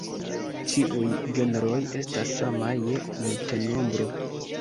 Ĉiuj genroj estas samaj je multenombro.